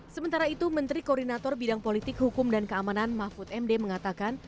sementara itu menteri koordinator bidang politik hukum dan keamanan mahfud md mengatakan